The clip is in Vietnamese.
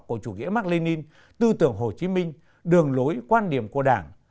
của chủ nghĩa mạc lê ninh tư tưởng hồ chí minh đường lối quan điểm của đảng